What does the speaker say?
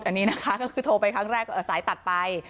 อันนี้นะคะก็คือโทรไปครั้งแรกสายตัดไป